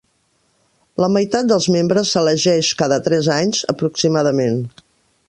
La meitat dels membres s'elegeix cada tres anys, aproximadament.